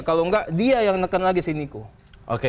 kalau nggak dia yang nekan lagi si niko